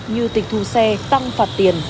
như tịch thu xe tăng phạt tiền